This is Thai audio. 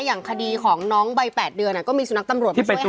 อย่างคดีของน้องวัย๘เดือนก็มีสุนัขตำรวจมาช่วยหา